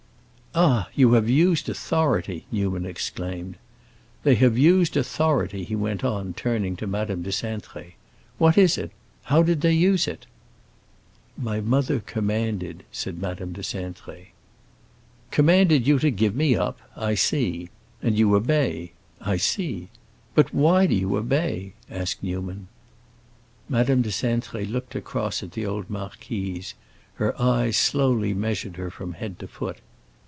"Ah, you have used authority," Newman exclaimed. "They have used authority," he went on, turning to Madame de Cintré. "What is it? how did they use it?" "My mother commanded," said Madame de Cintré. "Commanded you to give me up—I see. And you obey—I see. But why do you obey?" asked Newman. Madame de Cintré looked across at the old marquise; her eyes slowly measured her from head to foot.